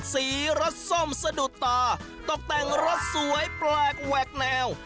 สีรสส้มสะดุดตาตกแต่งรถสวยแปลกแหวกแนว